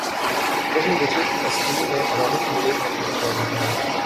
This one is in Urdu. قومی بچت اسکیموں میں عوامی شمولیت میں کمی کا رحجان